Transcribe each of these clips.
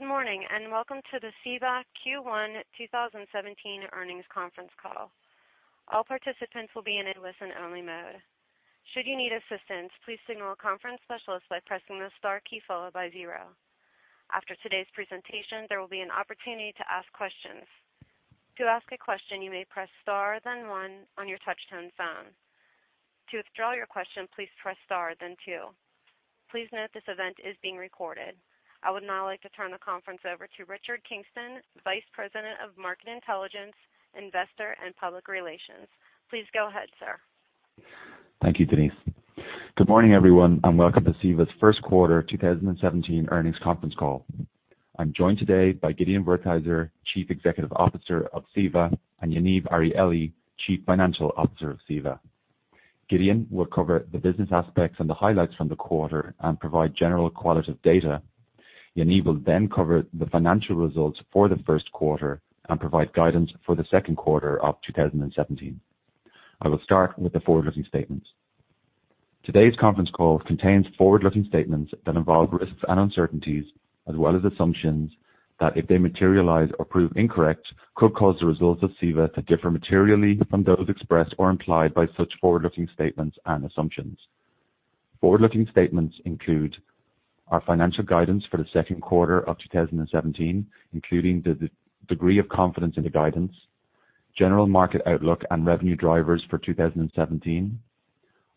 Good morning, welcome to the CEVA Q1 2017 earnings conference call. All participants will be in a listen-only mode. Should you need assistance, please signal a conference specialist by pressing the star key followed by zero. After today's presentation, there will be an opportunity to ask questions. To ask a question, you may press star then 1 on your touch-tone phone. To withdraw your question, please press star then 2. Please note this event is being recorded. I would now like to turn the conference over to Richard Kingston, Vice President of Market Intelligence, Investor and Public Relations. Please go ahead, sir. Thank you, Denise. Good morning, everyone, welcome to CEVA's first quarter 2017 earnings conference call. I'm joined today by Gideon Wertheizer, Chief Executive Officer of CEVA, and Yaniv Arieli, Chief Financial Officer of CEVA. Gideon will cover the business aspects and the highlights from the quarter and provide general qualitative data. Yaniv will cover the financial results for the first quarter and provide guidance for the second quarter of 2017. I will start with the forward-looking statements. Today's conference call contains forward-looking statements that involve risks and uncertainties, as well as assumptions that, if they materialize or prove incorrect, could cause the results of CEVA to differ materially from those expressed or implied by such forward-looking statements and assumptions. Forward-looking statements include our financial guidance for the second quarter of 2017, including the degree of confidence in the guidance, general market outlook and revenue drivers for 2017,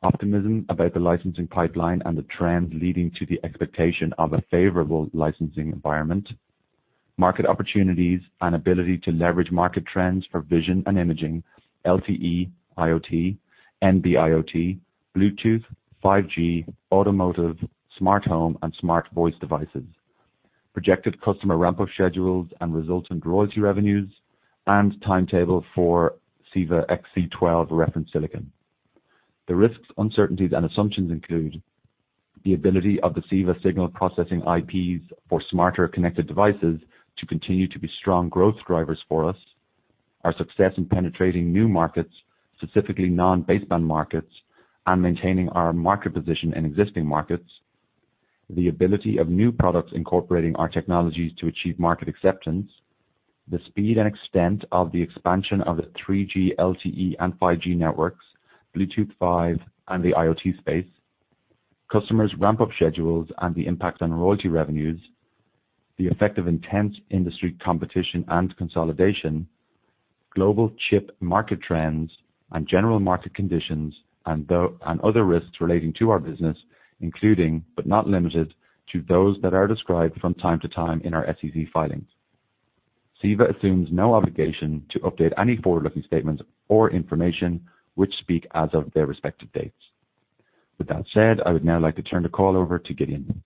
optimism about the licensing pipeline and the trends leading to the expectation of a favorable licensing environment, market opportunities and ability to leverage market trends for vision and imaging, LTE, IoT, NB-IoT, Bluetooth, 5G, automotive, smart home, and smart voice devices, projected customer ramp-up schedules and results in royalty revenues, and timetable for CEVA XC12 reference silicon. The risks, uncertainties, and assumptions include the ability of the CEVA signal processing IPs for smarter connected devices to continue to be strong growth drivers for us, our success in penetrating new markets, specifically non-baseband markets, and maintaining our market position in existing markets, the ability of new products incorporating our technologies to achieve market acceptance, the speed and extent of the expansion of the 3G, LTE, and 5G networks, Bluetooth 5, and the IoT space, customers' ramp-up schedules and the impact on royalty revenues, the effect of intense industry competition and consolidation, global chip market trends and general market conditions, and other risks relating to our business, including, but not limited to, those that are described from time to time in our SEC filings. CEVA assumes no obligation to update any forward-looking statements or information which speak as of their respective dates. With that said, I would now like to turn the call over to Gideon.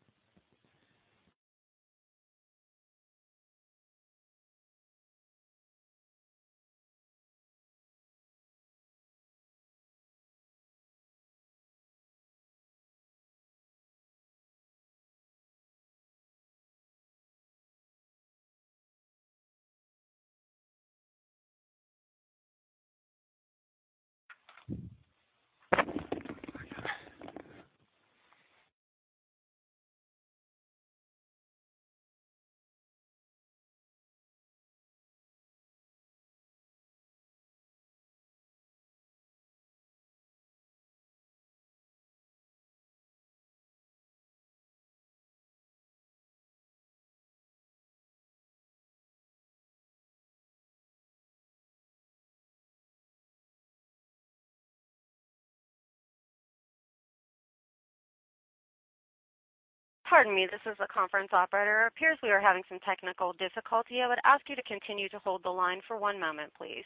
Pardon me, this is the conference operator. It appears we are having some technical difficulty. I would ask you to continue to hold the line for one moment, please.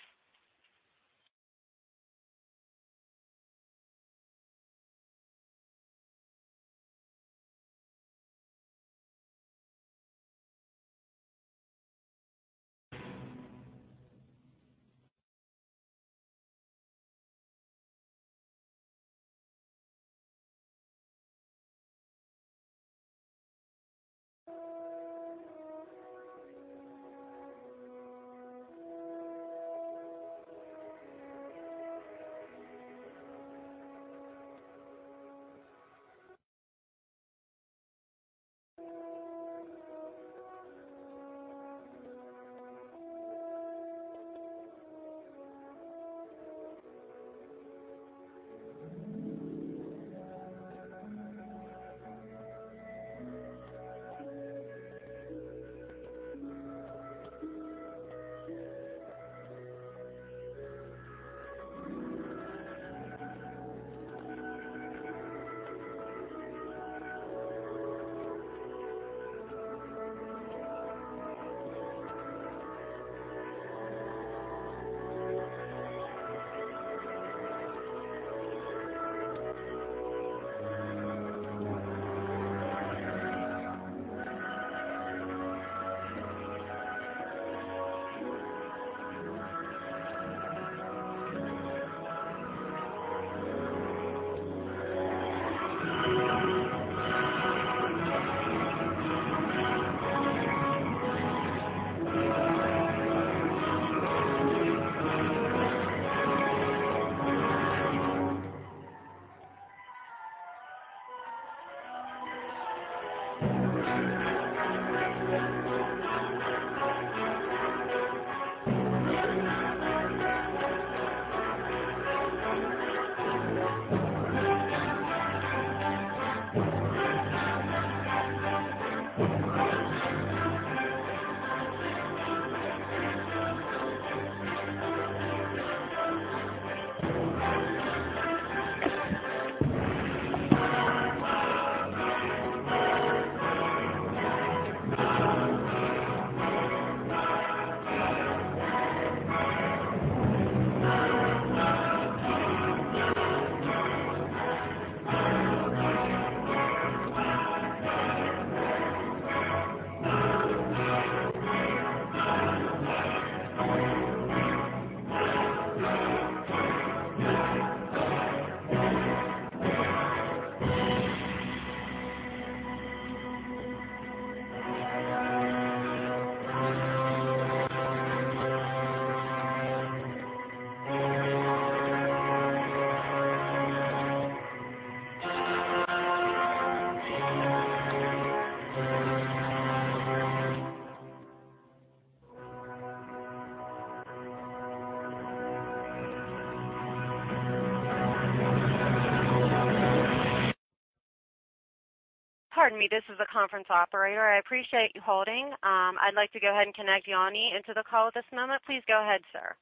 Pardon me. This is the conference operator. I appreciate you holding. I'd like to go ahead and connect Yoni into the call at this moment. Please go ahead, sir.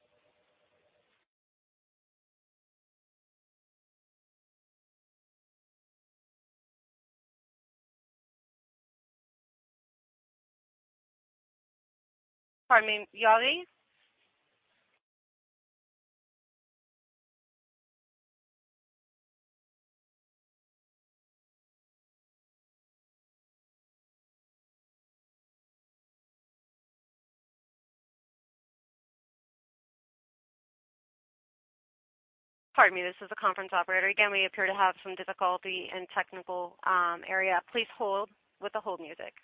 Pardon me, Yoni? Pardon me. This is the conference operator again. We appear to have some difficulty in technical area. Please hold with the hold music.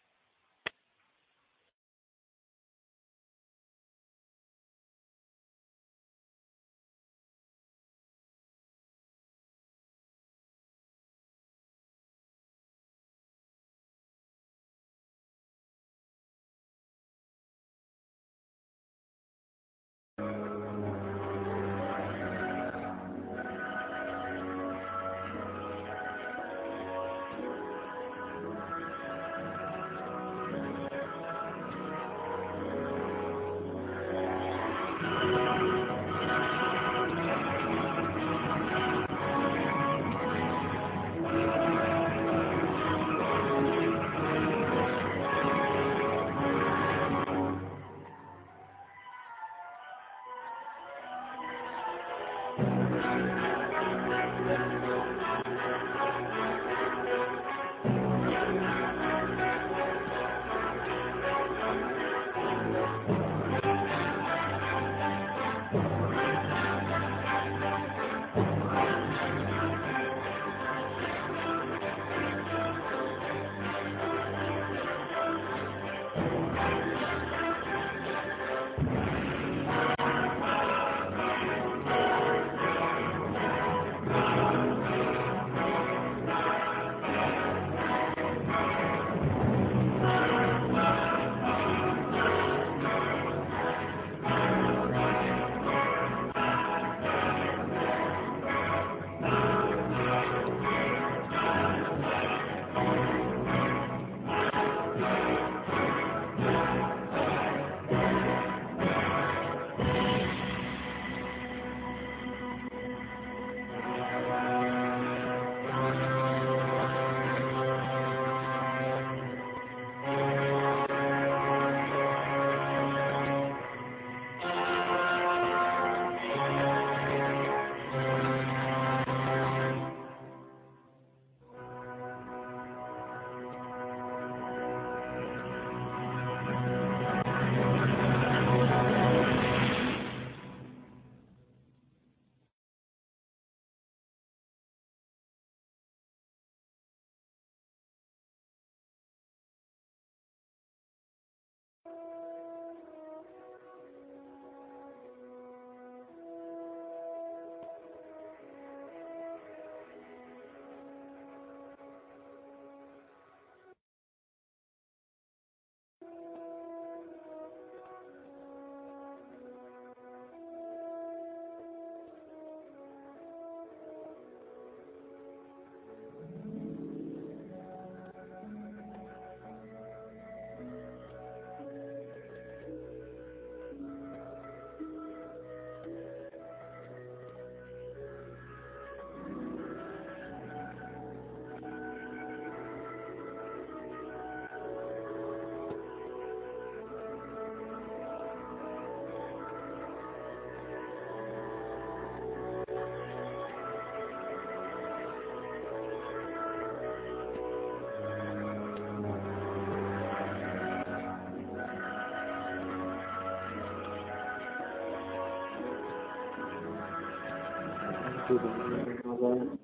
Pardon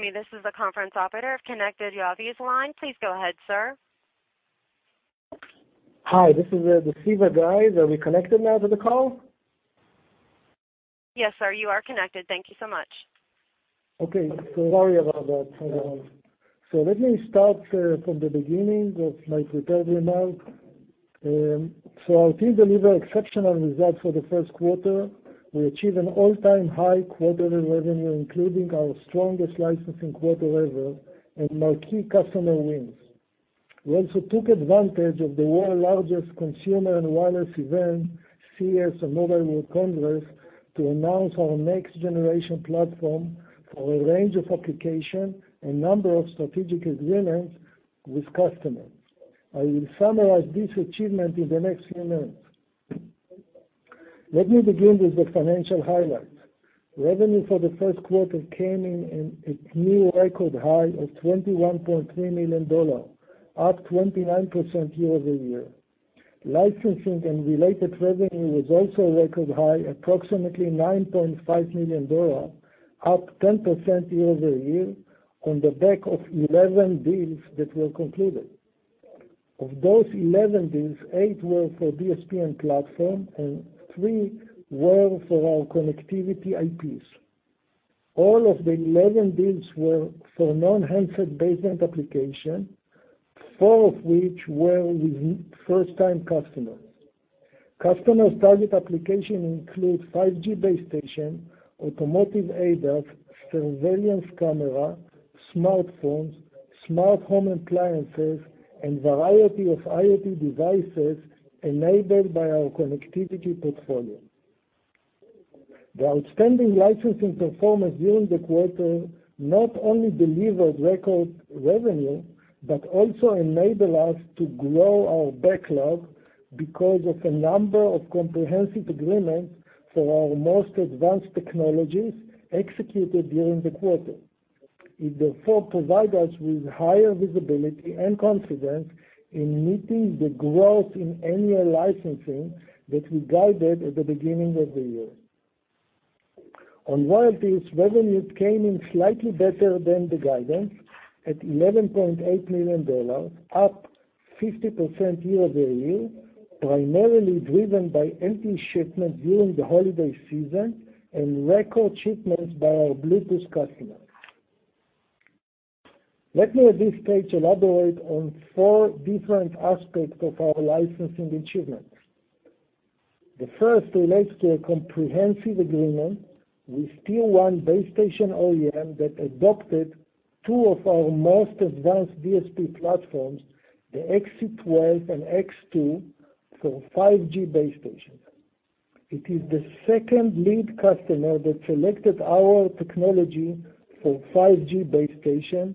me. This is the conference operator. I've connected Yaviv's line. Please go ahead, sir. Hi, this is the CEVA guys. Are we connected now to the call? Yes, sir. You are connected. Thank you so much. Okay. Sorry about that. Let me start from the beginning of my prepared remarks. Our team delivered exceptional results for the first quarter. We achieved an all-time high quarterly revenue, including our strongest licensing quarter ever and marquee customer wins. We also took advantage of the world's largest consumer and wireless event, CES and Mobile World Congress, to announce our next-generation platform for a range of applications and number of strategic agreements with customers. I will summarize this achievement in the next few minutes. Let me begin with the financial highlights. Revenue for the first quarter came in a new record high of $21.3 million, up 29% year-over-year. Licensing and related revenue was also record high, approximately $9.5 million, up 10% year-over-year on the back of 11 deals that were concluded. Of those 11 deals, eight were for DSP and platform, and three were for our connectivity IPs. All of the 11 deals were for non-handset-based applications, four of which were with first-time customers. Customers' target applications include 5G base station, automotive ADAS, surveillance camera, smartphones, smart home appliances, and a variety of IoT devices enabled by our connectivity portfolio. The outstanding licensing performance during the quarter not only delivered record revenue but also enabled us to grow our backlog because of a number of comprehensive agreements for our most advanced technologies executed during the quarter. It therefore provides us with higher visibility and confidence in meeting the growth in annual licensing that we guided at the beginning of the year. On royalties, revenues came in slightly better than the guidance at $11.8 million, up 50% year-over-year, primarily driven by MT shipments during the holiday season and record shipments by our Bluetooth customers. Let me at this stage elaborate on four different aspects of our licensing achievements. The first relates to a comprehensive agreement with tier 1 base station OEM that adopted two of our most advanced DSP platforms, the XC12 and X2 for 5G base stations. It is the second lead customer that selected our technology for 5G base station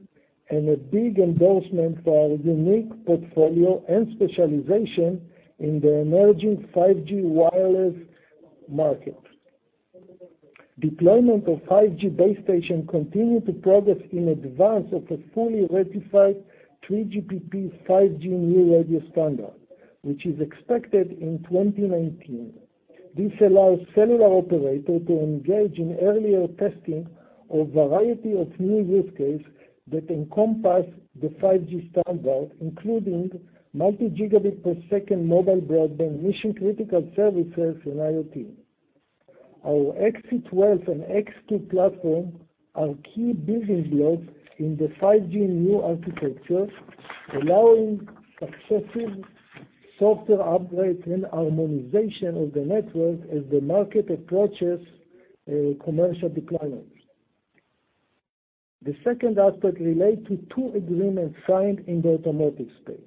and a big endorsement for our unique portfolio and specialization in the emerging 5G wireless market. Deployment of 5G base station continue to progress in advance of a fully ratified 3GPP 5G new radio standard, which is expected in 2019. This allows cellular operators to engage in earlier testing of a variety of new use cases that encompass the 5G standard, including multi-gigabit per second mobile broadband, mission-critical services, and IoT. Our XC12 and X2 platform are key building blocks in the 5G new architecture, allowing successive software upgrades and harmonization of the network as the market approaches commercial deployments. The second aspect relates to two agreements signed in the automotive space.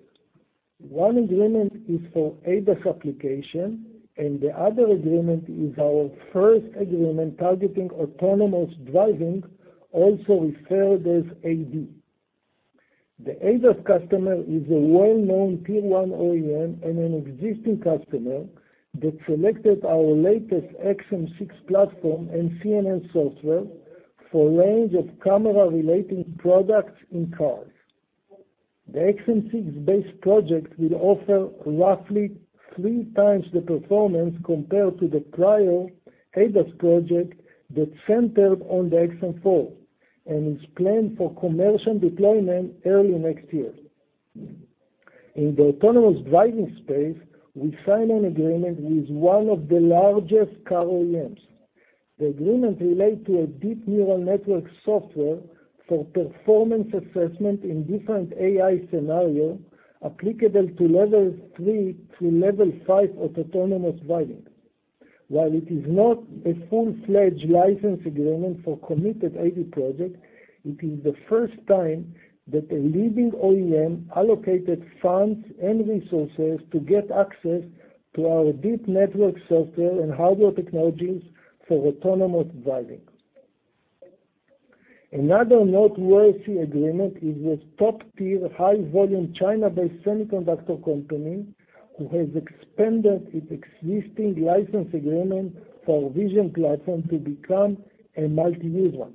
One agreement is for ADAS application, and the other agreement is our first agreement targeting autonomous driving, also referred as AV. The ADAS customer is a well-known tier 1 OEM and an existing customer that selected our latest XM6 platform and CNN software for a range of camera-related products in cars. The XM6-based project will offer roughly three times the performance compared to the prior ADAS project that centered on the XM4 and is planned for commercial deployment early next year. In the autonomous driving space, we signed an agreement with one of the largest car OEMs. The agreement relates to a deep neural network software for performance assessment in different AI scenarios applicable to level 3 to level 5 autonomous driving. While it is not a full-fledged license agreement for committed AV projects, it is the first time that a leading OEM allocated funds and resources to get access to our deep network software and hardware technologies for autonomous driving. Another noteworthy agreement is with top-tier, high-volume China-based semiconductor company, who has expanded its existing license agreement for our vision platform to become a multi-user.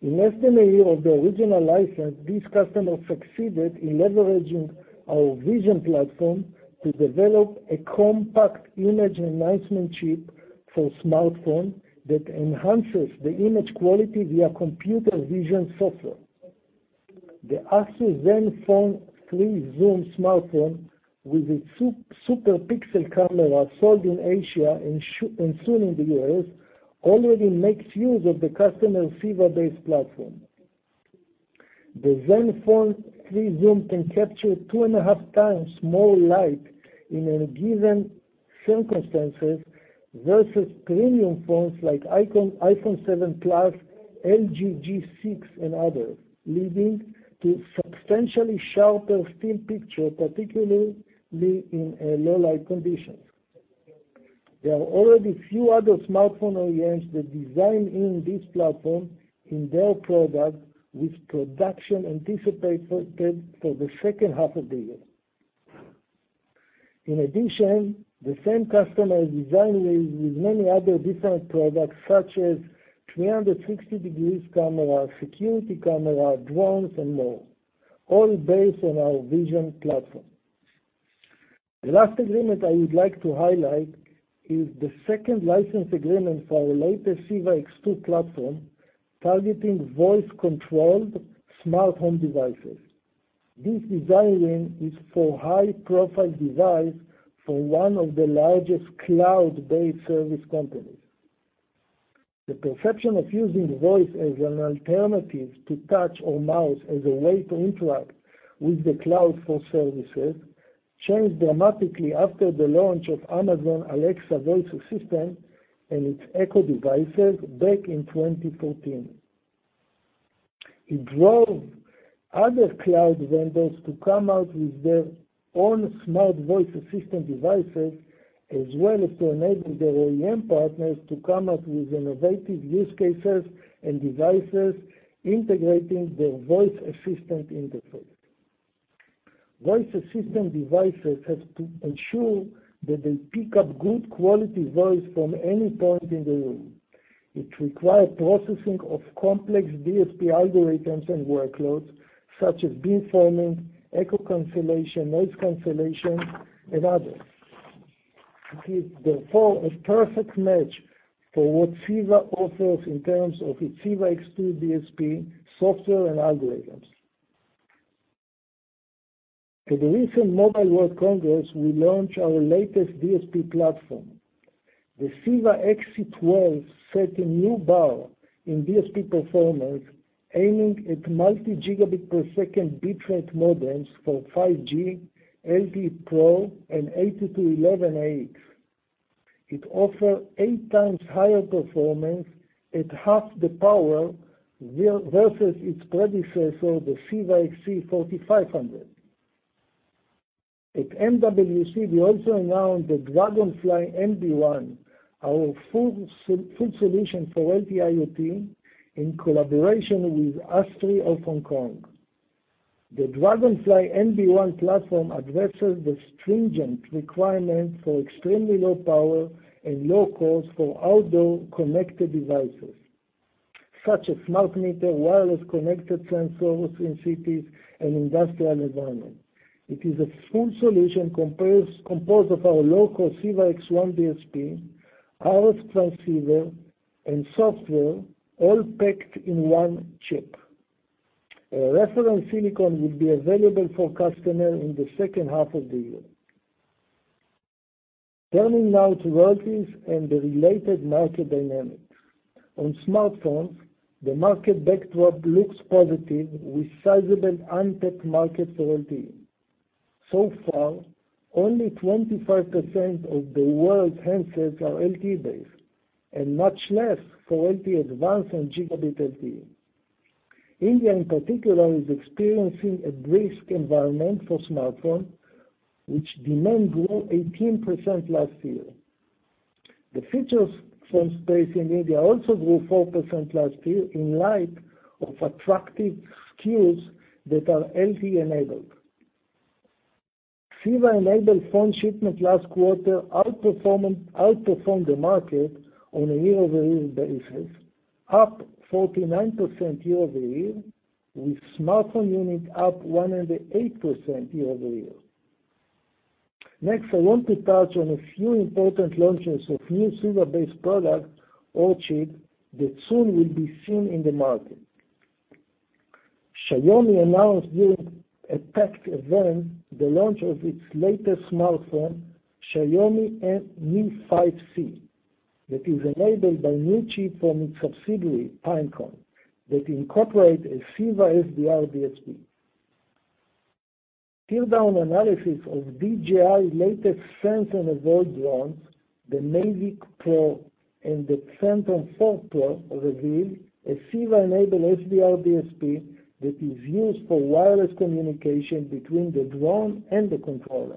In less than a year of the original license, this customer succeeded in leveraging our vision platform to develop a compact image enhancement chip for smartphone that enhances the image quality via computer vision software. The ASUS ZenFone 3 Zoom smartphone with its super pixel camera sold in Asia and soon in the U.S., already makes use of the customer CEVA-based platform. The ZenFone 3 Zoom can capture two and a half times more light in any given circumstances versus premium phones like iPhone 7 Plus, LG G6, and others, leading to substantially sharper still picture, particularly in low light conditions. There are already a few other smartphone OEMs that design in this platform in their product, with production anticipated for the second half of the year. In addition, the same customer design wins with many other different products such as 360-degrees camera, security camera, drones, and more, all based on our vision platform. The last agreement I would like to highlight is the second license agreement for our latest CEVA-X2 platform targeting voice-controlled smart home devices. This design win is for high-profile device for one of the largest cloud-based service companies. The perception of using voice as an alternative to touch or mouse as a way to interact with the cloud for services changed dramatically after the launch of Amazon Alexa voice assistant and its Echo devices back in 2014. It drove other cloud vendors to come out with their own smart voice assistant devices, as well as to enable their OEM partners to come up with innovative use cases and devices integrating their voice assistant interface. Voice assistant devices have to ensure that they pick up good quality voice from any point in the room. It requires processing of complex DSP algorithms and workloads such as beam forming, echo cancellation, noise cancellation, and others. It is therefore a perfect match for what CEVA offers in terms of its CEVA-X DSP software and algorithms. At the recent Mobile World Congress, we launched our latest DSP platform. The CEVA-XC12 set a new bar in DSP performance, aiming at multi-gigabit per second bitrate modems for 5G, LTE Pro, and 802.11ax. It offers eight times higher performance at half the power versus its predecessor, the CEVA-XC4500. At MWC, we also announced the Dragonfly NB1, our full solution for LTE IoT in collaboration with ASTRI of Hong Kong. The Dragonfly NB1 platform addresses the stringent requirements for extremely low power and low cost for outdoor connected devices, such as smart meter, wireless connected sensors in cities and industrial environment. It is a full solution composed of our low-cost CEVA-X1 DSP, RF transceiver, and software all packed in one chip. A reference silicon will be available for customers in the second half of the year. Turning now to royalties and the related market dynamics. On smartphones, the market backdrop looks positive with sizable untapped market for LTE. So far, only 25% of the world's handsets are LTE-based, and much less for LTE Advanced and gigabit LTE. India in particular is experiencing a brisk environment for smartphone, which demand grew 18% last year. The feature phone space in India also grew 4% last year in light of attractive SKUs that are LTE-enabled. CEVA-enabled phone shipment last quarter outperformed the market on a year-over-year basis, up 49% year-over-year, with smartphone unit up 108% year-over-year. Next, I want to touch on a few important launches of new CEVA-based product or chip that soon will be seen in the market. Xiaomi announced during a tech event the launch of its latest smartphone, Xiaomi Mi 5c, that is enabled by new chip from its subsidiary, Pinecone, that incorporate a CEVA SDR DSP. Teardown analysis of DJI latest Phantom drones, the Mavic Pro and the Phantom 4 Pro revealed a CEVA-enabled SDR DSP that is used for wireless communication between the drone and the controller.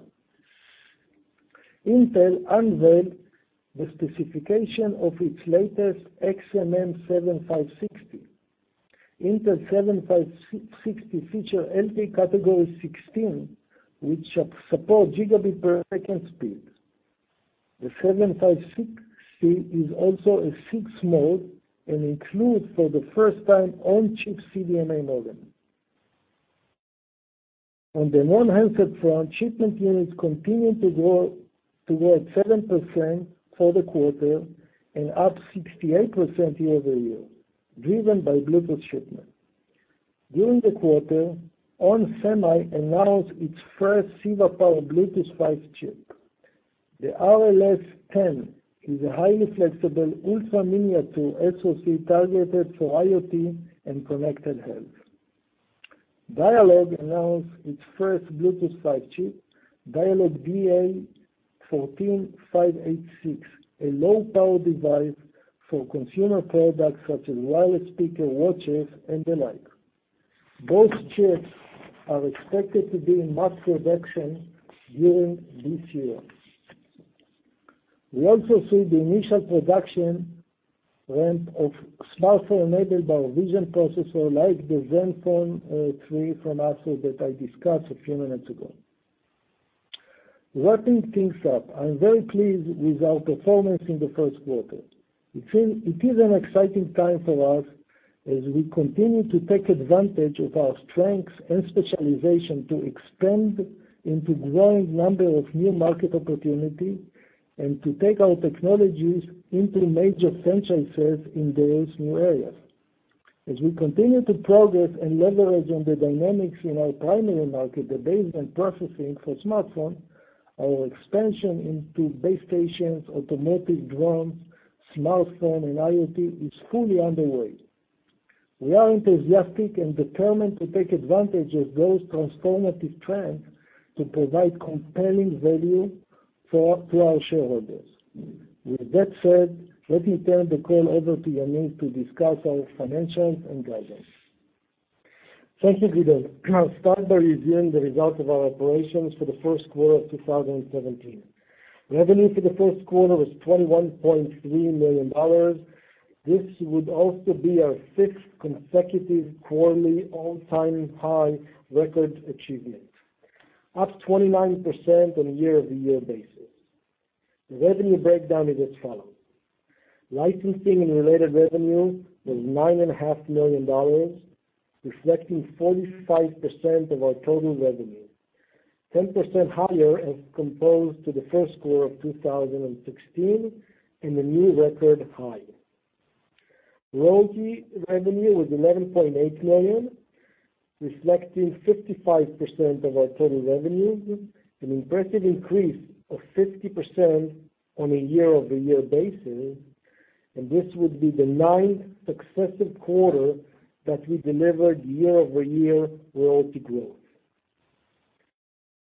Intel unveiled the specification of its latest XMM 7560. Intel 7560 feature LTE Category 16, which support gigabit per second speeds. The 7560 is also a six-mode and includes for the first time on-chip CDMA modem. On the non-handset front, shipment units continued to grow toward 7% for the quarter and up 68% year-over-year, driven by Bluetooth shipments. During the quarter, ON Semi announced its first CEVA-powered Bluetooth 5 chip. The RSL10 is a highly flexible, ultra miniature SoC targeted for IoT and connected health. Dialog announced its first Bluetooth 5 chip, Dialog DA14586, a low-power device for consumer products such as wireless speaker watches and the like. Both chips are expected to be in mass production during this year. We also see the initial production ramp of smartphone-enabled by our vision processor, like the ZenFone 3 from Asus that I discussed a few minutes ago. Wrapping things up, I'm very pleased with our performance in the first quarter. It is an exciting time for us as we continue to take advantage of our strengths and specialization to expand into growing number of new market opportunities and to take our technologies into major franchises in those new areas. As we continue to progress and leverage on the dynamics in our primary market, the baseband processing for smartphones, our expansion into base stations, autonomous drones, smartphones, and IoT is fully underway. We are enthusiastic and determined to take advantage of those transformative trends to provide compelling value to our shareholders. With that said, let me turn the call over to Yaniv to discuss our financials and guidance. Thank you, Gideon. I'll start by reviewing the results of our operations for the first quarter of 2017. Revenue for the first quarter was $21.3 million. This would also be our sixth consecutive quarterly all-time high record achievement, up 29% on a year-over-year basis. The revenue breakdown is as follows: licensing and related revenue was $9.5 million, reflecting 45% of our total revenue, 10% higher as compared to the first quarter of 2016, and a new record high. Royalty revenue was $11.8 million, reflecting 55% of our total revenue, an impressive increase of 50% on a year-over-year basis, and this would be the ninth successive quarter that we delivered year-over-year royalty growth.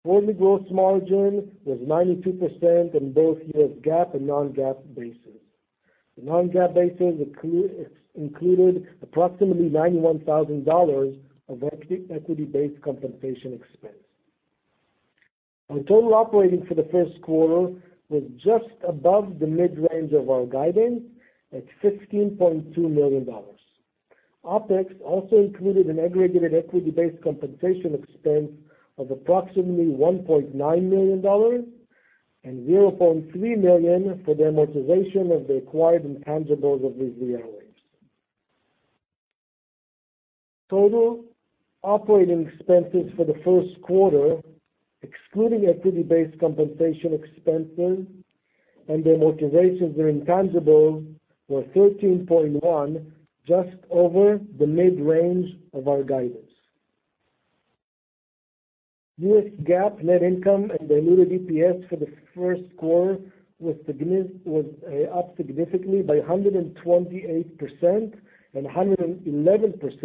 Quarterly gross margin was 92% in both U.S. GAAP and non-GAAP basis. The non-GAAP basis included approximately $91,000 of equity-based compensation expense. Our total operating for the first quarter was just above the mid-range of our guidance at $15.2 million. OpEx also included an aggregated equity-based compensation expense of approximately $1.9 million and $0.3 million for the amortization of the acquired intangibles of RivieraWaves. Total operating expenses for the first quarter, excluding equity-based compensation expenses and the amortizations and intangibles, were $13.1 million, just over the mid-range of our guidance. U.S. GAAP net income and diluted EPS for the first quarter was up significantly by 128% and 111%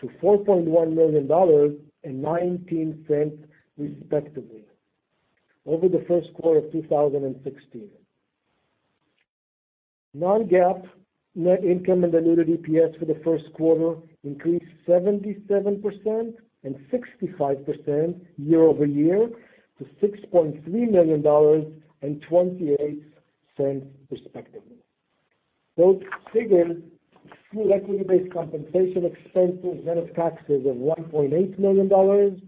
to $4.1 million and $0.19 respectively over the first quarter of 2016. Non-GAAP net income and diluted EPS for the first quarter increased 77% and 65% year-over-year to $6.3 million and $0.28 respectively. Those figures exclude equity-based compensation expenses, net of taxes of $1.8 million,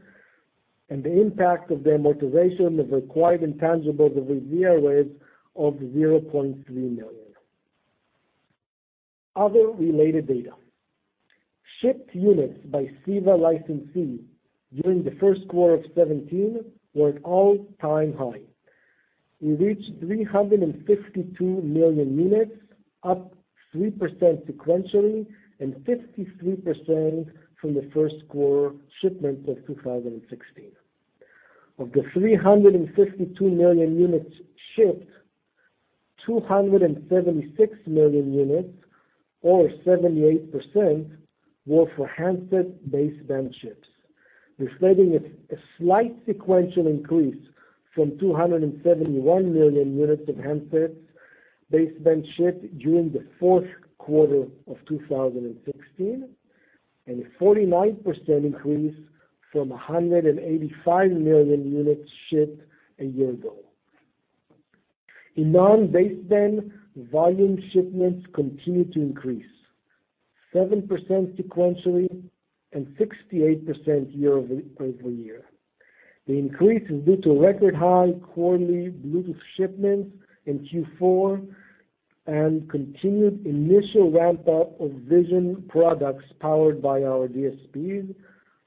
and the impact of the amortization of acquired intangibles of RivieraWaves of $0.3 million. Other related data. Shipped units by CEVA licensees during the first quarter of 2017 were at all-time high. We reached 352 million units, up 3% sequentially and 53% from the first quarter shipments of 2016. Of the 352 million units shipped, 276 million units or 78% were for handset baseband chips, reflecting a slight sequential increase from 271 million units of handsets baseband shipped during the fourth quarter of 2016, and a 49% increase from 185 million units shipped a year ago. In non-baseband, volume shipments continued to increase 7% sequentially and 68% year-over-year. The increase is due to record high quarterly Bluetooth shipments in Q4 and continued initial ramp-up of vision products powered by our DSPs,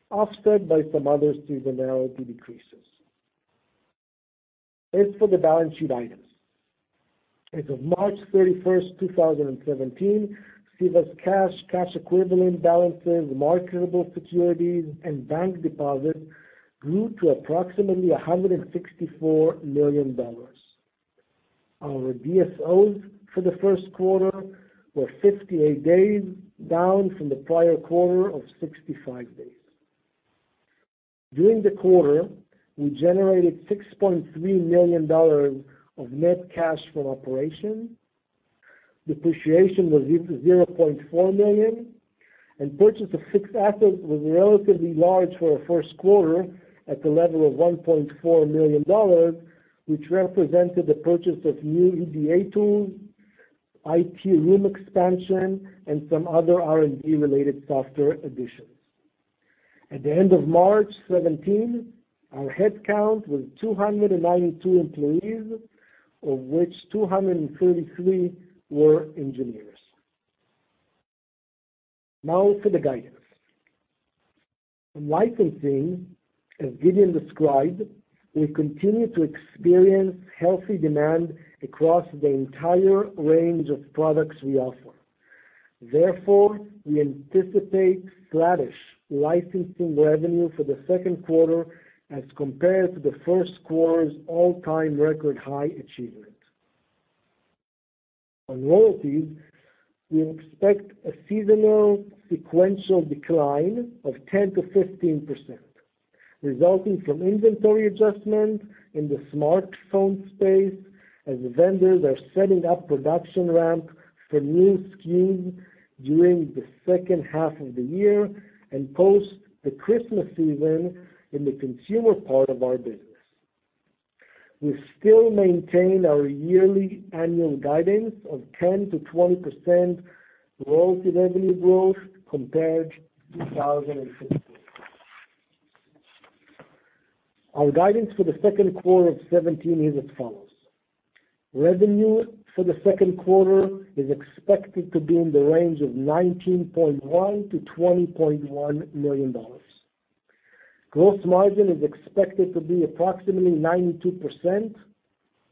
offset by some other seasonality decreases. As for the balance sheet items, as of March 31st, 2017, CEVA's cash equivalent balances, marketable securities, and bank deposits grew to approximately $164 million. Our DSOs for the first quarter were 58 days, down from the prior quarter of 65 days. During the quarter, we generated $6.3 million of net cash from operations. Depreciation was $0.4 million, and purchase of fixed assets was relatively large for a first quarter at the level of $1.4 million, which represented the purchase of new EDA tools, IP room expansion, and some other R&D-related software additions. At the end of March 2017, our headcount was 292 employees, of which 233 were engineers. Now for the guidance. In licensing, as Gideon described, we continue to experience healthy demand across the entire range of products we offer. Therefore, we anticipate flattish licensing revenue for the second quarter as compared to the first quarter's all-time record high achievement. On royalties, we expect a seasonal sequential decline of 10%-15%, resulting from inventory adjustment in the smartphone space, as vendors are setting up production ramp for new SKUs during the second half of the year and post the Christmas season in the consumer part of our business. We still maintain our yearly annual guidance of 10%-20% royalty revenue growth compared to 2016. Our guidance for the second quarter of 2017 is as follows. Revenue for the second quarter is expected to be in the range of $19.1 million-$20.1 million. Gross margin is expected to be approximately 92%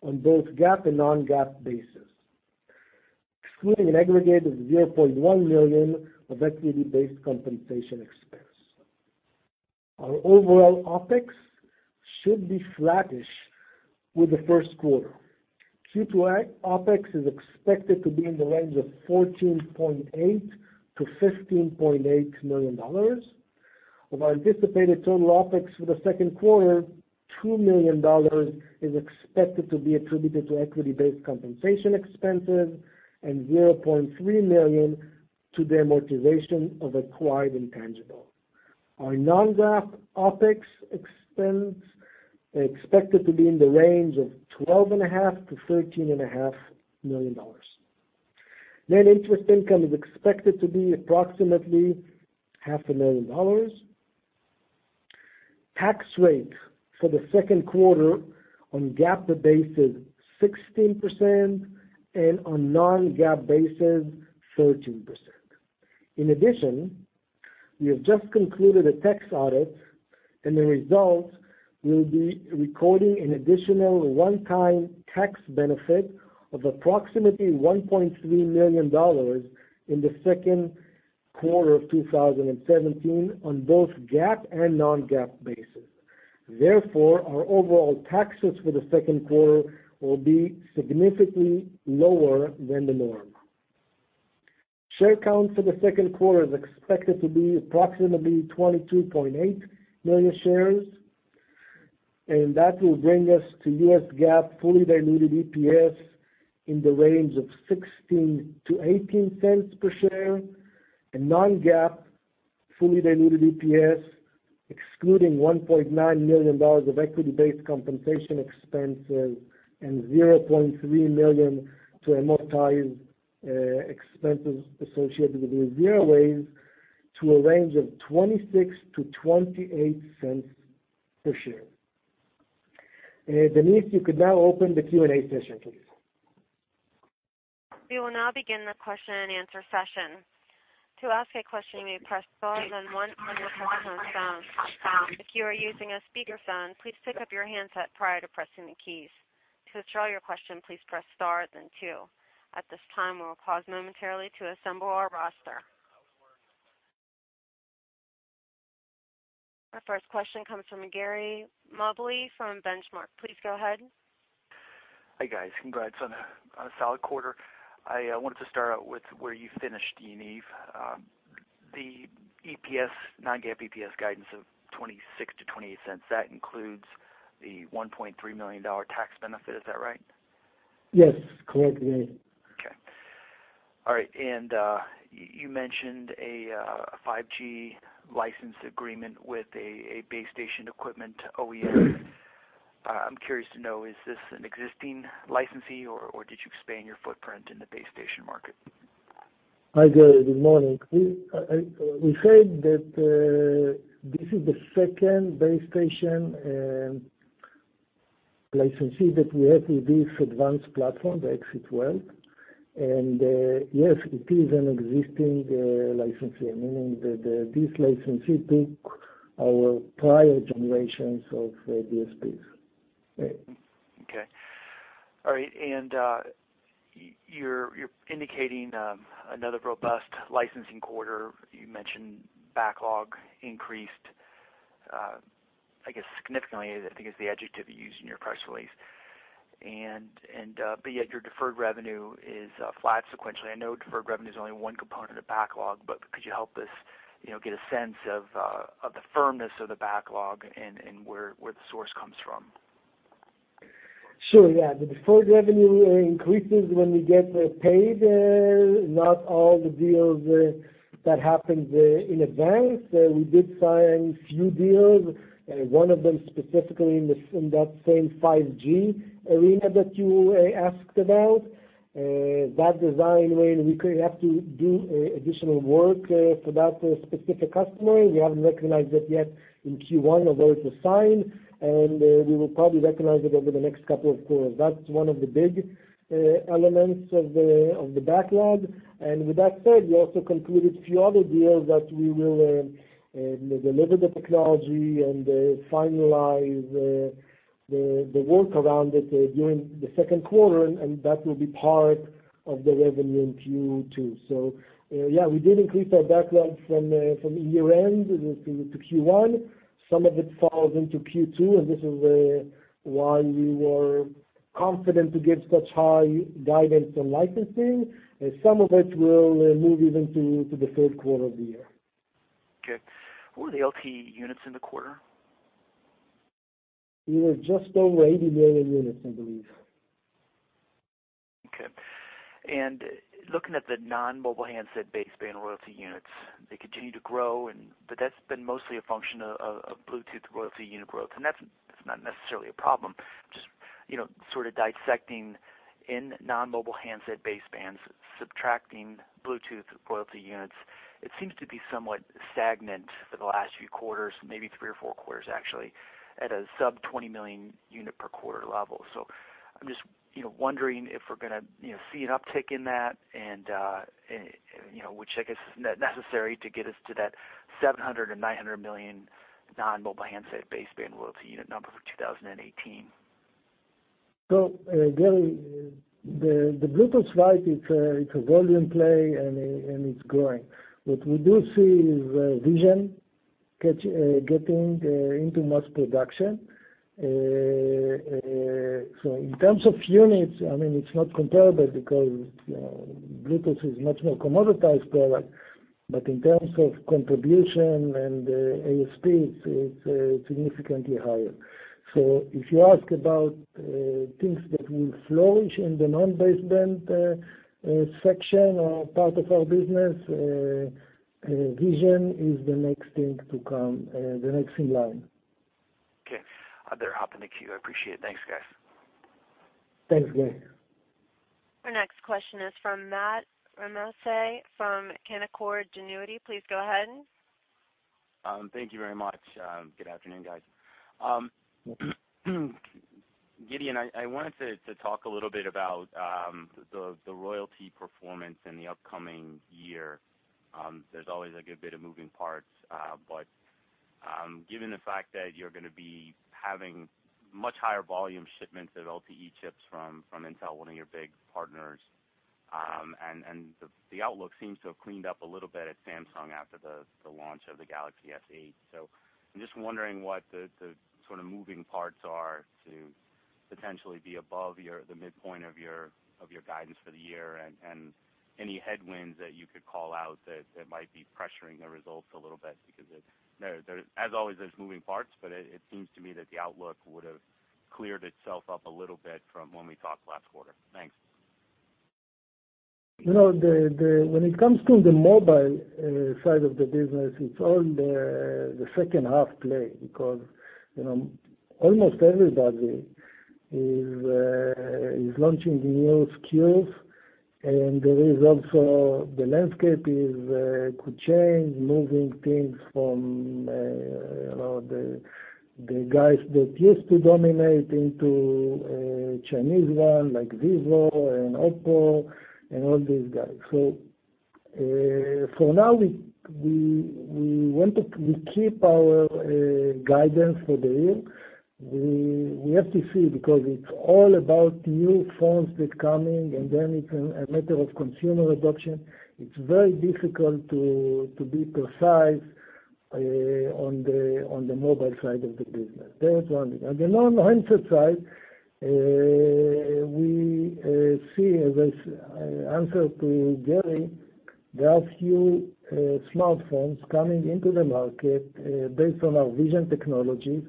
on both GAAP and non-GAAP basis, excluding an aggregate of $0.1 million of equity-based compensation expense. Our overall OpEx should be flattish with the first quarter. Q2 OpEx is expected to be in the range of $14.8 million-$15.8 million. Of our anticipated total OpEx for the second quarter, $2 million is expected to be attributed to equity-based compensation expenses and $0.3 million to the amortization of acquired intangibles. Our non-GAAP OpEx expense expected to be in the range of $12.5 million-$13.5 million. Net interest income is expected to be approximately $500,000. Tax rate for the second quarter on GAAP basis is 16% and on non-GAAP basis, 13%. In addition, we have just concluded a tax audit, and the result will be recording an additional one-time tax benefit of approximately $1.3 million in the second quarter of 2017 on both GAAP and non-GAAP basis. Therefore, our overall taxes for the second quarter will be significantly lower than the norm. Share count for the second quarter is expected to be approximately 22.8 million shares, that will bring us to U.S. GAAP fully diluted EPS in the range of $0.16-$0.18 per share and non-GAAP fully diluted EPS, excluding $1.9 million of equity-based compensation expenses and $0.3 million to amortize expenses associated with these zero-waive to a range of $0.26-$0.28 per share. Denise, you could now open the Q&A session, please. We will now begin the question and answer session. To ask a question, you may press star, then one when your question is done. If you are using a speakerphone, please pick up your handset prior to pressing the keys. To withdraw your question, please press star then two. At this time, we'll pause momentarily to assemble our roster. Our first question comes from Gary Mobley from Benchmark. Please go ahead. Hi, guys. Congrats on a solid quarter. I wanted to start out with where you finished, Yaniv. The non-GAAP EPS guidance of $0.26-$0.28, that includes the $1.3 million tax benefit. Is that right? Yes, correct, Gary. Okay. All right. You mentioned a 5G license agreement with a base station equipment OEM. I'm curious to know, is this an existing licensee or did you expand your footprint in the base station market? Hi, Gary. Good morning. We said that this is the second base station licensee that we have with this advanced platform, the XC12, and yes, it is an existing licensee, meaning that this licensee took our prior generations of DSPs. Okay. All right. You're indicating another robust licensing quarter. You mentioned backlog increased, I guess, significantly, I think is the adjective you used in your press release. Yet your deferred revenue is flat sequentially. I know deferred revenue is only one component of backlog, but could you help us get a sense of the firmness of the backlog and where the source comes from? Sure, yeah. The deferred revenue increases when we get paid, not all the deals that happened in advance. We did sign a few deals, one of them specifically in that same 5G arena that you asked about. That design win, we could have to do additional work for that specific customer. We haven't recognized it yet in Q1, although it was signed, and we will probably recognize it over the next couple of quarters. That's one of the big elements of the backlog. With that said, we also concluded a few other deals that we will deliver the technology and finalize the work around it during the second quarter, and that will be part of the revenue in Q2. Yeah, we did increase our backlog from year-end to Q1. Some of it falls into Q2, this is why we were confident to give such high guidance on licensing. Some of it will move even to the third quarter of the year. Okay. What were the LTE units in the quarter? We were just over 80 million units, I believe. Okay. Looking at the non-mobile handset baseband royalty units, they continue to grow, but that's been mostly a function of Bluetooth royalty unit growth, and that's not necessarily a problem. Just sort of dissecting in non-mobile handset basebands, subtracting Bluetooth royalty units, it seems to be somewhat stagnant for the last few quarters, maybe 3 or 4 quarters actually, at a sub 20 million unit per quarter level. I'm just wondering if we're going to see an uptick in that, and which I guess is necessary to get us to that 700 and 900 million non-mobile handset baseband royalty unit number for 2018. Gary, the Bluetooth side, it's a volume play, and it's growing. What we do see is vision getting into mass production. In terms of units, it's not comparable because Bluetooth is much more commoditized product, but in terms of contribution and ASP, it's significantly higher. If you ask about things that will flourish in the non-baseband section or part of our business, vision is the next thing to come, the next in line. Okay. I'll hop in the queue. I appreciate it. Thanks, guys. Thanks, Gary. Our next question is from Matt Ramsay from Canaccord Genuity. Please go ahead. Thank you very much. Good afternoon, guys. Gideon, I wanted to talk a little bit about the royalty performance in the upcoming year. There's always a good bit of moving parts, but given the fact that you're going to be having much higher volume shipments of LTE chips from Intel, one of your big partners, and the outlook seems to have cleaned up a little bit at Samsung after the launch of the Galaxy S8. I'm just wondering what the sort of moving parts are to potentially be above the midpoint of your guidance for the year and any headwinds that you could call out that might be pressuring the results a little bit as always, there's moving parts, but it seems to me that the outlook would have cleared itself up a little bit from when we talked last quarter. Thanks. When it comes to the mobile side of the business, it's all the second half play because almost everybody is launching new SKUs, and there is also the landscape could change, moving things from the guys that used to dominate into Chinese one like Vivo and Oppo and all these guys. For now, we keep our guidance for the year. We have to see because it's all about new phones that coming, and then it's a matter of consumer adoption. It's very difficult to be precise on the mobile side of the business. That's one. On the non-handset side, we see, as I answered to Gary, there are few smartphones coming into the market based on our vision technology.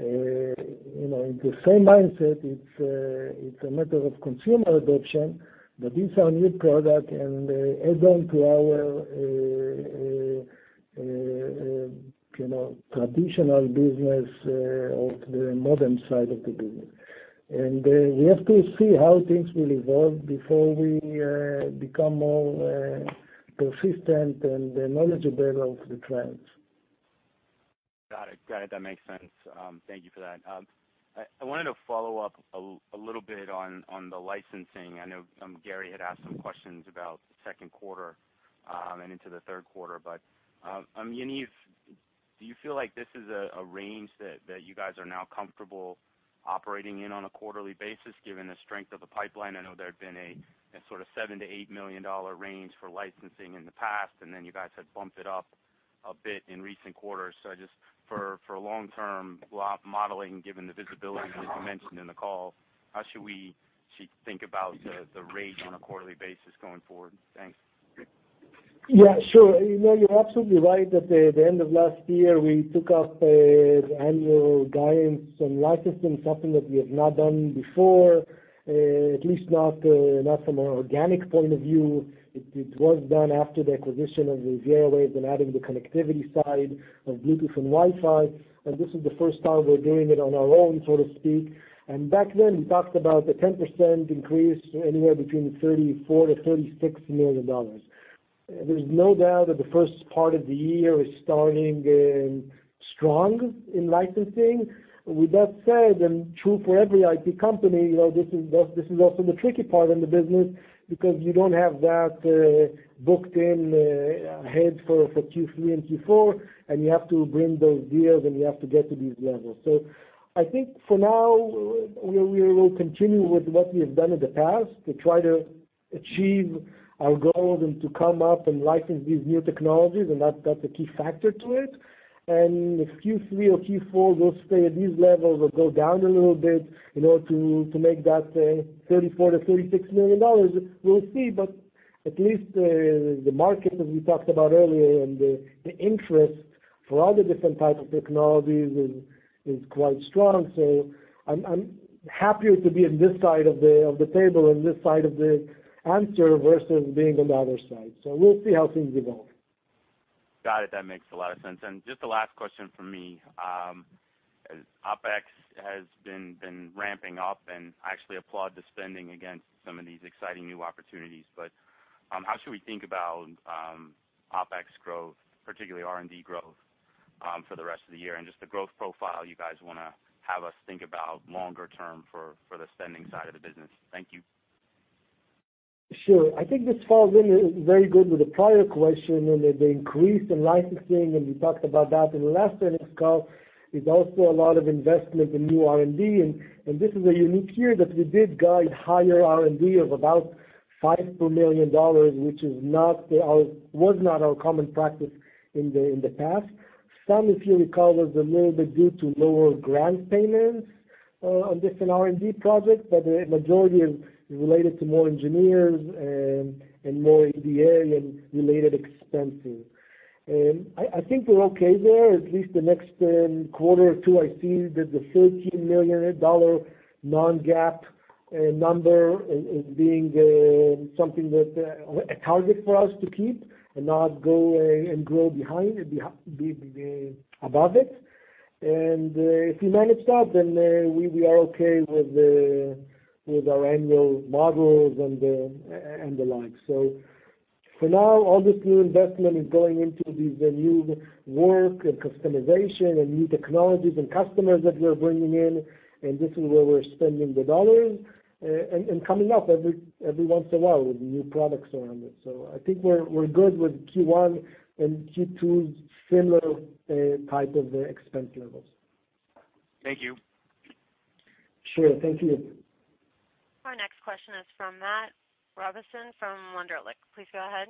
In the same mindset, it's a matter of consumer adoption, but these are new product and add on to our The traditional business of the modern side of the business. We have to see how things will evolve before we become more persistent and knowledgeable of the trends. Got it. That makes sense. Thank you for that. I wanted to follow up a little bit on the licensing. I know Gary had asked some questions about the second quarter, and into the third quarter. Yaniv, do you feel like this is a range that you guys are now comfortable operating in on a quarterly basis, given the strength of the pipeline? I know there had been a sort of $7 million-$8 million range for licensing in the past, and then you guys had bumped it up a bit in recent quarters. Just for long-term modeling, given the visibility that you mentioned in the call, how should we think about the rate on a quarterly basis going forward? Thanks. Yeah, sure. You're absolutely right that the end of last year, we took up the annual guidance and licensing, something that we have not done before, at least not from an organic point of view. It was done after the acquisition of the RivieraWaves and adding the connectivity side of Bluetooth and Wi-Fi, and this is the first time we're doing it on our own, so to speak. Back then, we talked about a 10% increase, anywhere between $34 million-$36 million. There's no doubt that the first part of the year is starting strong in licensing. With that said, and true for every IP company, this is also the tricky part in the business because you don't have that booked in ahead for Q3 and Q4, and you have to bring those deals and you have to get to these levels. I think for now, we will continue with what we have done in the past to try to achieve our goals and to come up and license these new technologies, and that's a key factor to it. If Q3 or Q4 will stay at these levels or go down a little bit in order to make that $34 million-$36 million, we'll see, but at least, the market, as we talked about earlier, and the interest for all the different types of technologies is quite strong. I'm happier to be in this side of the table and this side of the answer versus being on the other side. We'll see how things evolve. Got it. That makes a lot of sense. Just the last question from me, as OpEx has been ramping up, I actually applaud the spending against some of these exciting new opportunities. How should we think about OpEx growth, particularly R&D growth, for the rest of the year? Just the growth profile you guys want to have us think about longer term for the spending side of the business. Thank you. Sure. I think this falls in very good with the prior question and the increase in licensing, we talked about that in the last earnings call, is also a lot of investment in new R&D. This is a unique year that we did guide higher R&D of about $5 million, which was not our common practice in the past. Some, if you recall, was a little bit due to lower grant payments on different R&D projects, the majority is related to more engineers and more in the area related expensing. I think we're okay there. At least the next quarter or two, I see that the $13 million non-GAAP number is being something that a target for us to keep and not go and grow behind, be above it. If we manage that, we are okay with our annual models and the like. For now, all this new investment is going into these new work and customization and new technologies and customers that we're bringing in, this is where we're spending the dollars, coming up every once in a while with new products around it. I think we're good with Q1 and Q2, similar type of expense levels. Thank you. Sure. Thank you. Our next question is from Matthew Robison from Wunderlich. Please go ahead.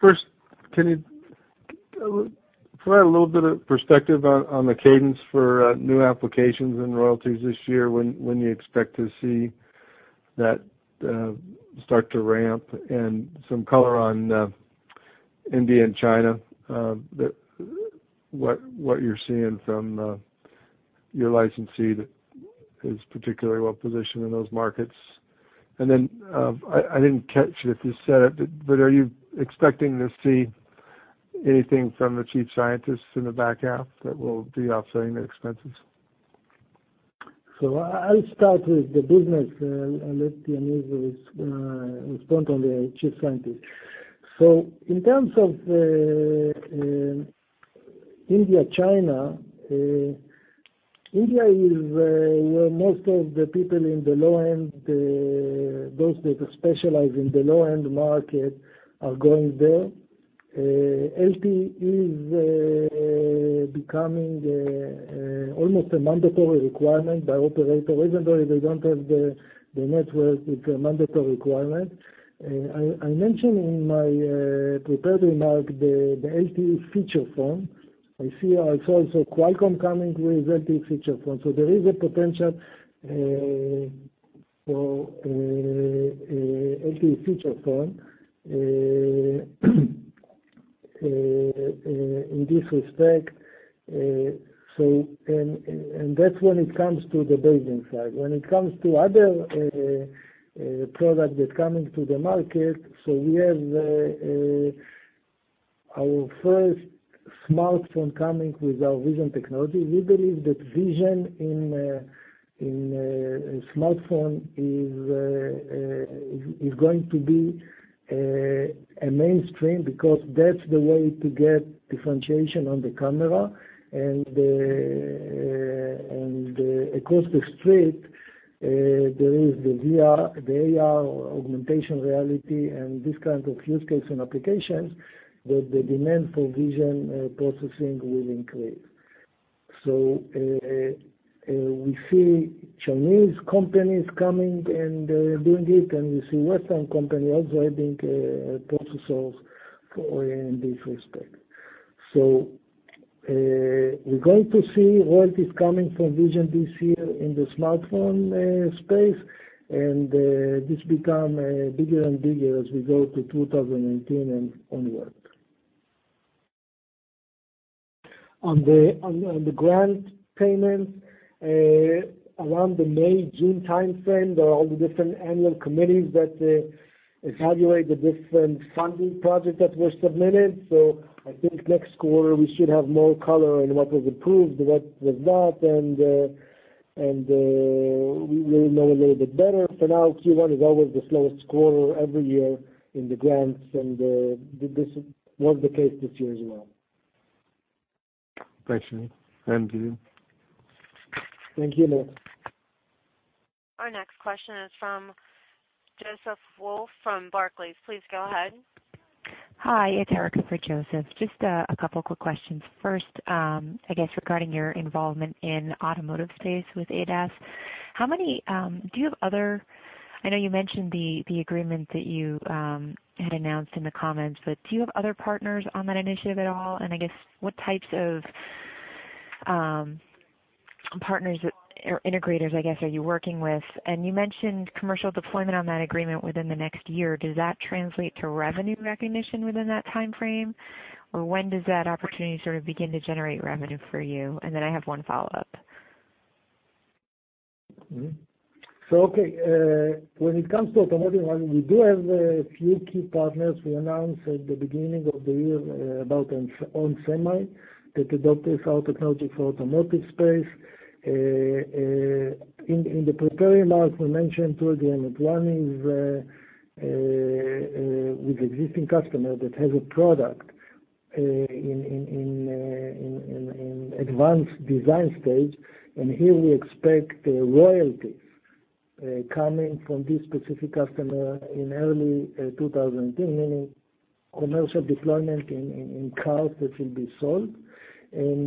First, can you provide a little bit of perspective on the cadence for new applications and royalties this year, when you expect to see that start to ramp? Some color on India and China, what you're seeing from your licensee that is particularly well-positioned in those markets. Then, I didn't catch if you said it, but are you expecting to see anything from the chief scientists in the back half that will be offsetting the expenses? I'll start with the business and let Yaniv respond on the chief scientist. In terms of India, China, India is where most of the people in the low end, those that specialize in the low-end market are going there. LTE is becoming almost a mandatory requirement by operator. Even though they don't have the network, it's a mandatory requirement. I mentioned in my prepared remark the LTE feature phone. I saw also Qualcomm coming with LTE feature phone. There is a potential for LTE feature phone. In this respect, and that's when it comes to the baseband side. When it comes to other products that come into the market, we have our first smartphone coming with our vision technology. We believe that vision in a smartphone is going to be a mainstream because that's the way to get differentiation on the camera, and across the street, there is the VR, the AR or augmentation reality and this kind of use case and applications that the demand for vision processing will increase. we see Chinese companies coming and doing it, and we see Western companies also adding processors in this respect. we're going to see what is coming from vision this year in the smartphone space, and this become bigger and bigger as we go to 2018 and onward. On the grant payment, around the May-June timeframe, there are all the different annual committees that evaluate the different funding projects that were submitted. I think next quarter, we should have more color on what was approved, what was not, and we'll know a little bit better. For now, Q1 is always the slowest quarter every year in the grants, and this was the case this year as well. Thanks, Shmuel. Gideon? Thank you. Matt. Our next question is from Joseph Wolf from Barclays. Please go ahead. Hi, it's Erica for Joseph. Just a couple of quick questions. First, I guess regarding your involvement in automotive space with ADAS. I know you mentioned the agreement that you had announced in the comments, do you have other partners on that initiative at all? I guess what types of partners or integrators, I guess, are you working with? You mentioned commercial deployment on that agreement within the next year. Does that translate to revenue recognition within that time frame? When does that opportunity sort of begin to generate revenue for you? Then I have one follow-up. Okay. When it comes to automotive, we do have a few key partners we announced at the beginning of the year about ON Semi that adopted our technology for automotive space. In the prepared remarks, we mentioned two again, that one is with existing customer that has a product in advanced design stage, here we expect royalties coming from this specific customer in early 2018, meaning commercial deployment in cars that will be sold. There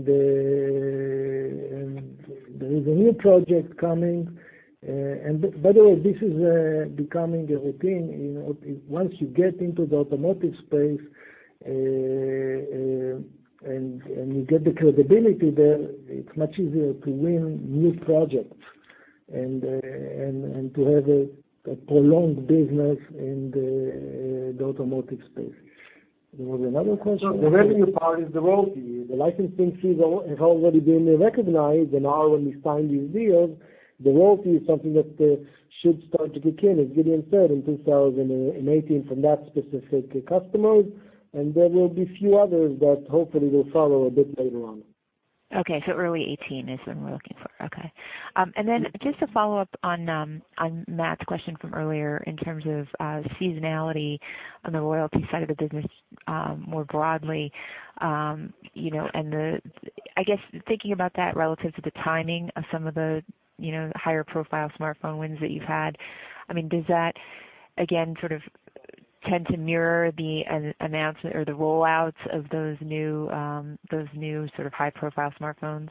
is a new project coming. By the way, this is becoming a routine. Once you get into the automotive space, and you get the credibility there, it's much easier to win new projects and to have a prolonged business in the automotive space. There was another question there. The revenue part is the royalty. The licensing fees have already been recognized, now when we sign these deals, the royalty is something that should start to kick in, as Gideon said, in 2018 from that specific customer. There will be few others that hopefully will follow a bit later on. Okay, early 2018 is when we're looking for. Okay. Then just a follow-up on Matt's question from earlier in terms of seasonality on the royalty side of the business more broadly. I guess thinking about that relative to the timing of some of the higher-profile smartphone wins that you've had, does that, again, sort of tend to mirror the announcement or the rollouts of those new sort of high-profile smartphones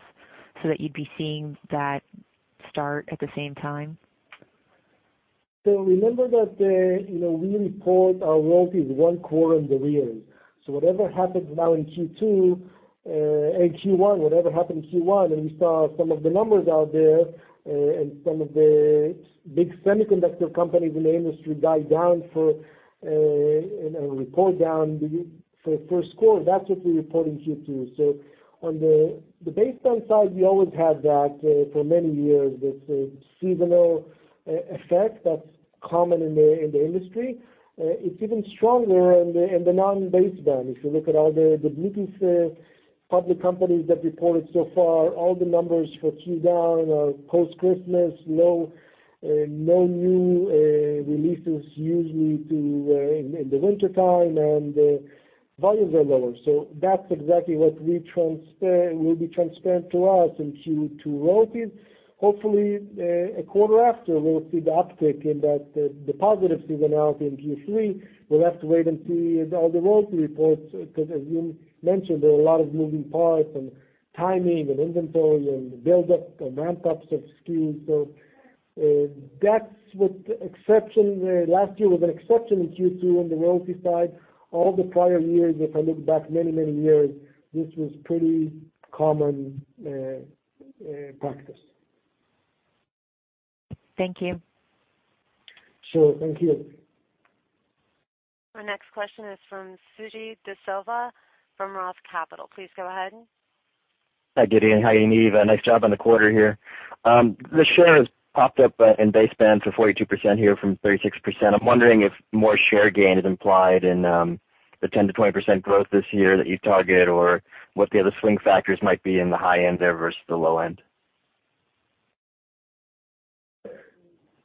so that you'd be seeing that start at the same time? Remember that we report our royalties one quarter in the year. Whatever happens now in Q2 and Q1, whatever happened in Q1, and we saw some of the numbers out there and some of the big semiconductor companies in the industry guide down for, report down for first quarter, that's what we report in Q2. On the baseband side, we always had that for many years, this seasonal effect that's common in the industry. It's even stronger in the non-baseband. If you look at all the biggest public companies that reported so far, all the numbers for Q down are post-Christmas, no new releases usually in the wintertime, and volumes are lower. That's exactly what will be transparent to us in Q2 royalties. Hopefully, a quarter after, we'll see the uptick in that, the positive seasonality in Q3. We'll have to wait and see all the royalty reports, because as you mentioned, there are a lot of moving parts and timing and inventory and the buildup, the ramp-ups of SKUs. Last year was an exception in Q2 on the royalty side. All the prior years, if I look back many years, this was pretty common practice. Thank you. Sure. Thank you. Our next question is from Suji Desilva from ROTH Capital. Please go ahead. Hi, Gideon. Hi, Yaniv. Nice job on the quarter here. The share has popped up in baseband to 42% here from 36%. I'm wondering if more share gain is implied in the 10%-20% growth this year that you target, or what the other swing factors might be in the high end there versus the low end.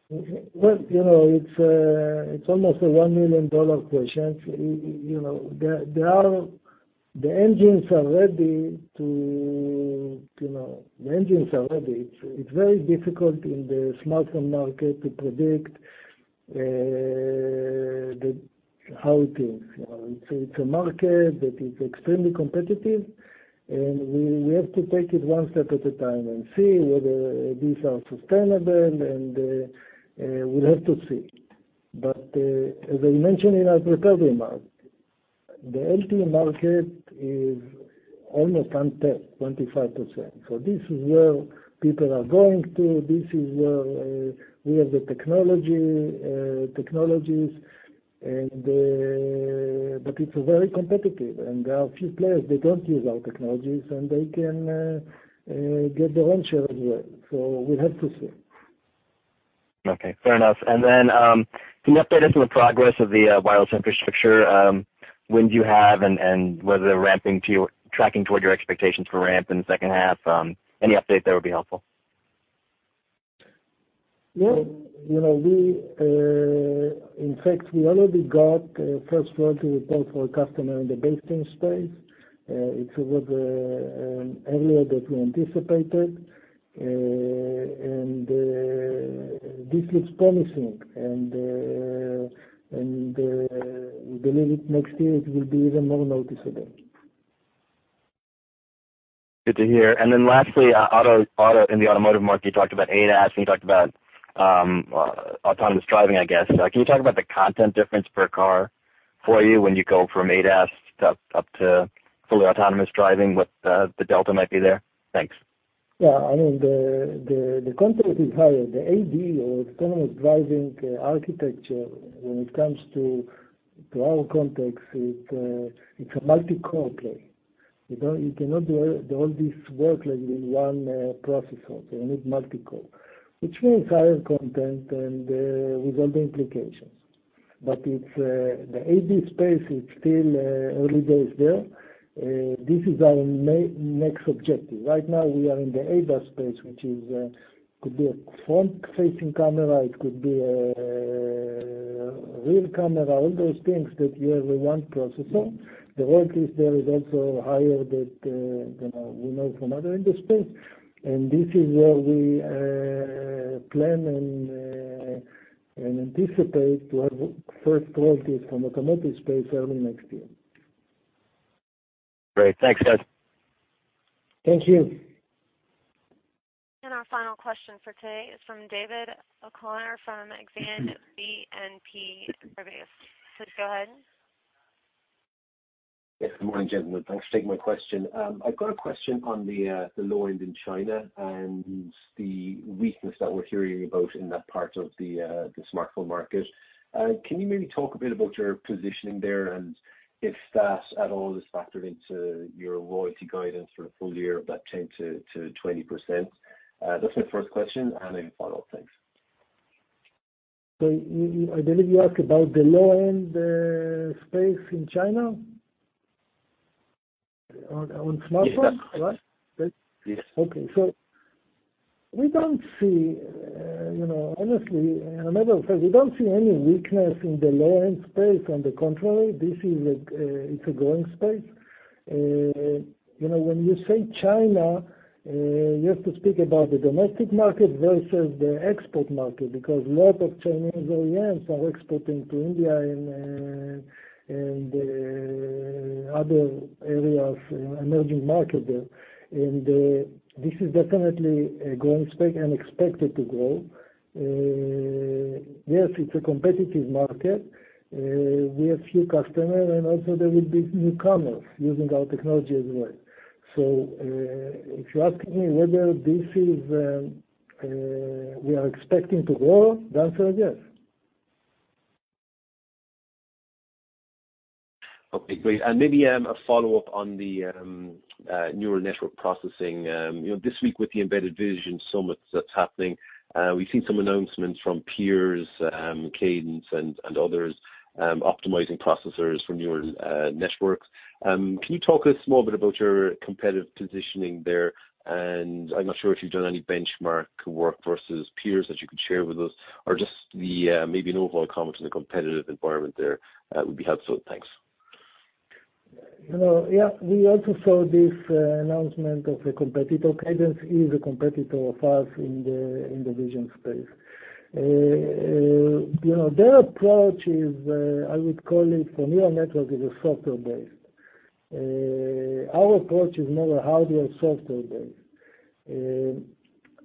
It's almost a $1 million question. The engines are ready. It's very difficult in the smartphone market to predict how it is. It's a market that is extremely competitive, we have to take it one step at a time and see whether these are sustainable, we'll have to see. As I mentioned in our prepared remarks, the LTE market is almost untapped, 25%. This is where people are going to, this is where we have the technologies. It's very competitive, there are a few players that don't use our technologies, and they can get their own share of the pie. We'll have to see. Okay. Fair enough. Then, can you update us on the progress of the wireless infrastructure? When do you have and whether they're tracking toward your expectations for ramp in the second half? Any update there would be helpful. Yeah. In fact, we already got first royalty report for a customer in the base station space. It was earlier than we anticipated, and this looks promising. We believe next year it will be even more noticeable. Good to hear. Then lastly, in the automotive market, you talked about ADAS and you talked about autonomous driving, I guess. Can you talk about the content difference per car for you when you go from ADAS up to fully autonomous driving, what the delta might be there? Thanks. Yeah. The content is higher. The AD or autonomous driving architecture, when it comes to our context, it's a multi-core play. You cannot do all this work like in one processor. You need multi-core. Which means higher content and with all the implications. The AD space, it's still early days there. This is our next objective. Right now we are in the ADAS space, which could be a front-facing camera, it could be a rear camera, all those things that you have in one processor. The work is there, is also higher that we know from other industries, and this is where we plan and anticipate to have first royalties from automotive space early next year. Great. Thanks, guys. Thank you. Our final question for today is from David O'Connor from Exane BNP Paribas. Please go ahead. Yes. Good morning, gentlemen. Thanks for taking my question. I've got a question on the low end in China and the weakness that we're hearing about in that part of the smartphone market. Can you maybe talk a bit about your positioning there and if that at all is factored into your royalty guidance for full year of that 10%-20%? That's my first question. Then follow-up. Thanks. I believe you ask about the low-end space in China? On smartphones, right? Yes. Okay. Honestly, a matter of fact, we don't see any weakness in the low-end space. On the contrary, this is a growing space. When you say China, you have to speak about the domestic market versus the export market, because lot of Chinese OEMs are exporting to India and other areas, emerging market there. This is definitely a growing space and expected to grow. Yes, it's a competitive market. We have few customers and also there will be newcomers using our technology as well. If you ask me whether we are expecting to grow, the answer is yes. Okay, great. Maybe a follow-up on the neural network processing. This week with the Embedded Vision Summit that's happening, we've seen some announcements from peers, Cadence and others, optimizing processors for neural networks. Can you talk a small bit about your competitive positioning there? I'm not sure if you've done any benchmark work versus peers that you could share with us, or just maybe an overall comment on the competitive environment there. That would be helpful. Thanks. Yeah. We also saw this announcement of a competitor. Cadence is a competitor of ours in the vision space. Their approach is, I would call it, for neural network is software-based. Our approach is more hardware-software based.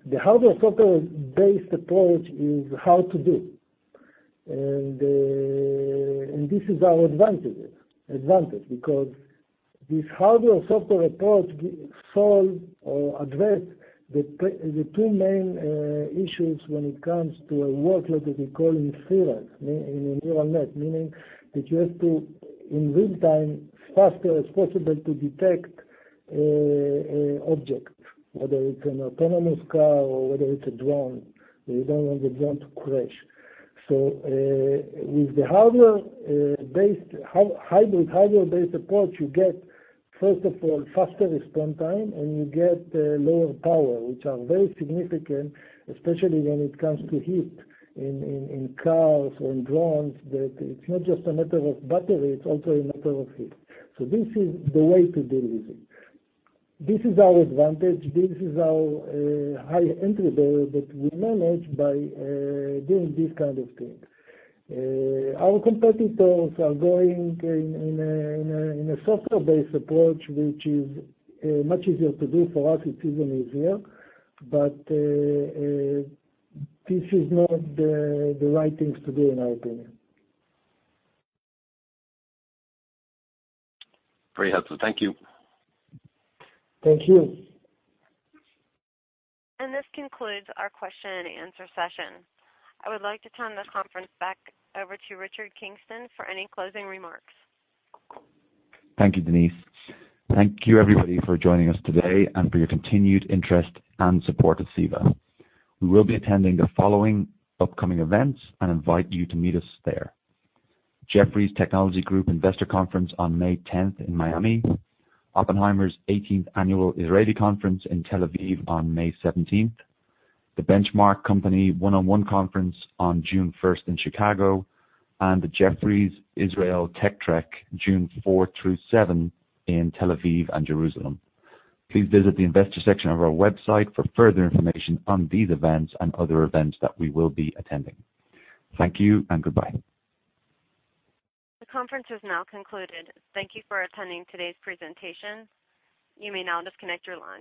The hardware-software based approach is how to do. This is our advantage because this hardware-software approach solve or address the two main issues when it comes to a workload that we call inference in a neural net, meaning that you have to, in real-time, faster as possible, detect object, whether it's an autonomous car or whether it's a drone. We don't want the drone to crash. With the hybrid hardware-based approach, you get, first of all, faster response time, and you get lower power, which are very significant, especially when it comes to heat in cars or in drones. It's not just a matter of battery, it's also a matter of heat. This is the way to deal with it. This is our advantage. This is our high entry barrier that we manage by doing this kind of thing. Our competitors are going in a software-based approach, which is much easier to do. For us, it's even easier. This is not the right thing to do, in our opinion. Very helpful. Thank you. Thank you. This concludes our question and answer session. I would like to turn the conference back over to Richard Kingston for any closing remarks. Thank you, Denise. Thank you everybody for joining us today and for your continued interest and support of CEVA. We will be attending the following upcoming events and invite you to meet us there. Jefferies Technology Group Investor Conference on May 10th in Miami, Oppenheimer's 18th Annual Israeli Conference in Tel Aviv on May 17th, The Benchmark Company One-on-One Conference on June 1st in Chicago, and the Jefferies Israel Tech Trek June 4 through 7 in Tel Aviv and Jerusalem. Please visit the investor section of our website for further information on these events and other events that we will be attending. Thank you and goodbye. The conference has now concluded. Thank you for attending today's presentation. You may now disconnect your line.